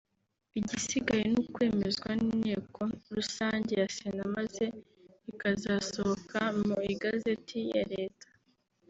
igisigaye ni ukwemezwa n’inteko rusange ya Sena maze rikazasohoka mu Igazeti ya Leta